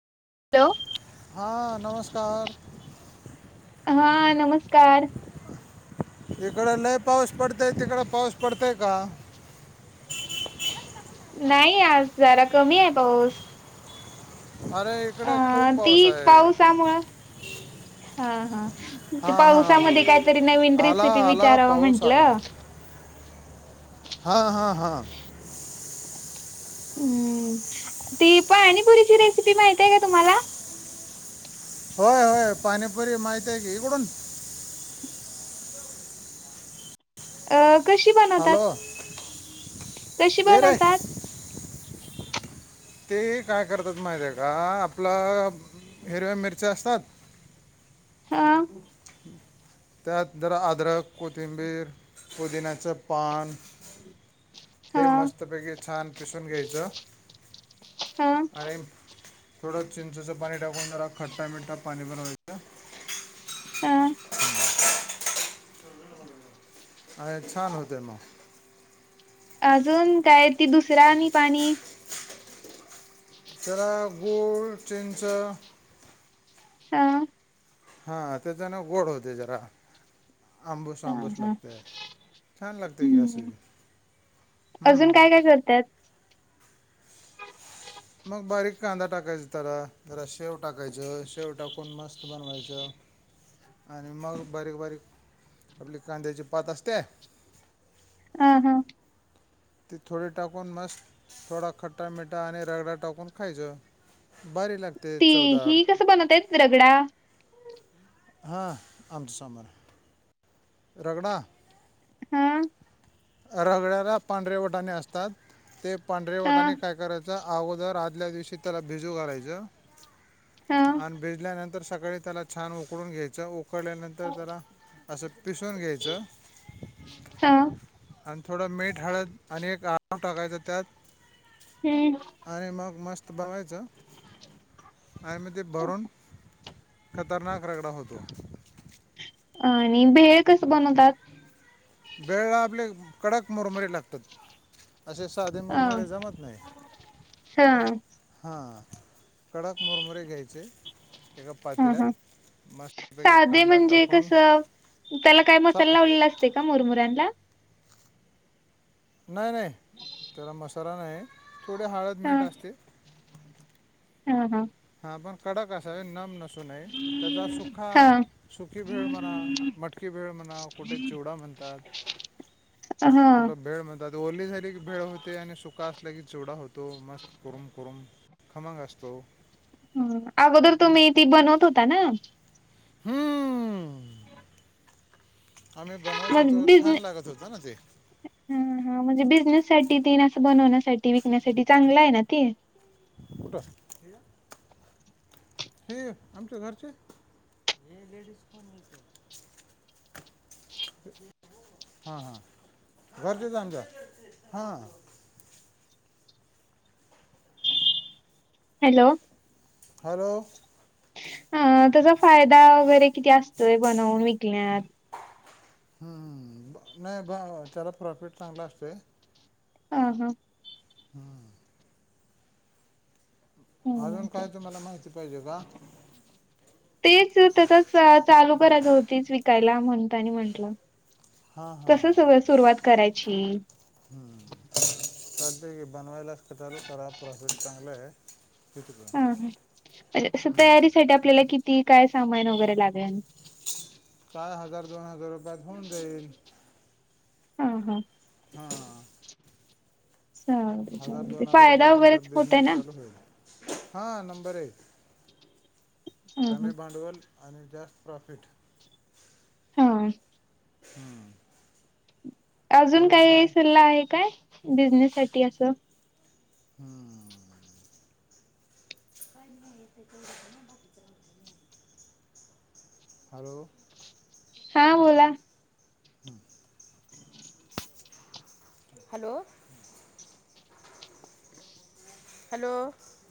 Hello. हां नमस्कार. हा नमस्कार. इकडं लय पाऊस पडतोय तिकडं पाऊस पडतोय का? नाही आज जरा कमी आहे पाऊस. अरे अ इकडे खूप पाऊस तीच आहे. पावसामुळं हा हा ते हा हा हा पावसामध्ये काहीतरी नवीन आला रेसिपी आला विचारावं पाऊस आला म्हंटलं. हां हां हां. हम्म ती पाणीपुरीची रेसिपी माहती आहे का तुम्हाला? होय होय पाणीपुरी माहिती आहे की इकडून. [unintelligible] अ कशी हॅलो बनवतात? तशी ये रे बनवतात ते हे काय करतात माहितीेय का आपलं हिरव्या मिरच्या असतात हा. [inaudible] त्यात अद्रक, कोथिंबीर, पुदिनाचे पान हा हे मस्त पैकी छान कीसून घ्यायचं हा आणिर थोडं चिंचाचं पाणी टाकून जरा खट्टा मिठा पाणी बनवाय हा. अरे छान होते म. अजून काय ती दुसऱ्या निपाणी त्याला गोड चेनच. हा. हा त्याचा नाव गोड होते जरा. आम्बुस हा आम्बुस हा लागते छान लागते क हम्म आसबी. अजून काय काय करतात. मग बारीक कांदा टाकायचा त्यारा, जरा शेव टाकायचं, शेव टाकून मस्त बनवायचं. [inaudible] आणि मग बारीक बारीक आपबली कांद्याची पात असत्या. हा हां. ती थोडी टाकून मस्त थोडा खट्टा मिठा आणि रगडा टाकून खायचं. भारी लाग ती हि कसं बनवत्यात रगडा. हा आमच सबर. रगडा. हा. रगड्याला पांढरेवटाने असतात, ते हा पांढरेवटाने काय करायचं अगोदर आदल्या दिवशी त्याला भिजू घालायचं. हा आणि भिजल्यानंतर सकाळी त्याला छान उकडून घ्यायचं, उकळल्यानंतर त्याला असं पिसवून घ्यायचं. हा. आणि थोडं मीठ, हळद आणि एक आव टाकायचा त्यात. हम्म. आणि मग मस्त बघायचं, आणि मग ते भरून खतरनाक रगडा होता. आणि भेळ कसं बनवतात? भेळाआपले कडक मुरमुरे लागतात, असे साधे मुरमुरे जमत नाही. हं. हा कडक मुरमुरे घ्यायचे. एका ह ह, पातेल्यात मस्तपैकी साधे कांदा म्हणजे कस टाकून त्याला काय सा मसाला लावलेला ते का मुरमुऱ्यांना. नाही नाही त्यारा मसाला नाही थोडी हळद, हा मीठ असते. हा हा. हा पण कडक असावे, नम नसू नय त्याचा सुखा हा सुखी भेळ म्हणा, मटकी भेळ म्हणा, कुठे चिवडा म्हणतात. हा कुठं भेळ म्हणतात. वल्लीझाली की भेळ होते, आणि सुका असला की चिवडा होतो मस्त कुरूम कुरूम. खमंग असतो. अगोदर तुम्ही ती बनवत होता ना. हम्म, आम्ही बनवत होतो, छान लागत होता ना ते. हा हा म्हणजे बिझनेस साठी ते न असं बनवण्यासाठी विकण्यासाठी चांगल आहे ना ते. कुठं. हे आमच्या घरचे. [inaudible] हा हा घरचेच आमच्या हा. हॅलो. हॅलो. अ त्याचा फायदा वगैरे किती असतोय बनवून विकण्यात? हं नाही ब त्याला प्रॉफिट चांगलं असतंय. आंहां. हां. अजून हम्म काय तुम्हाला माहिती पाहिजे का? तेच तसंच चालू करायचं होतीच विकायला, म्हणतानी म्हंटलं. हां हां कसं सगळं सुरुवात करायची? हम्म, तर बनवायलाच चालू करा, प्रॉफिट चांगलं हाय. हा हां म्हणजे असं तयारीसाठी आपल्याला किती काय सामान वगैरे लागंल? काय हजार दोन हजार रुपयात होऊन जाईल. आं हा. हां. चालतंय हजार चालतंय दोन फायदा वगैरेच होतंय ना? हा नंबर एक हा हा कमी भांडवल आणि जास्त प्रॉफिट. हं. हम्म. अजून काही सल्ला आहे काय, बिझनेससाठी असं? हां. [unintelligible] हॅलो. हां बोला. हम्म. हॅलो. हॅलो.